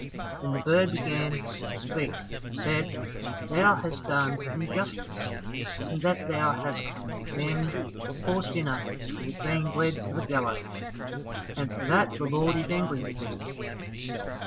Then the bird began to speak and said, "Thou hast done injustice, in that thou hast condemned a poor sinner who was being led to the gallows, and for that the Lord is angry with thee.